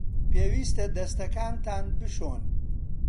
پێویستە دەستەکانتان بشۆن.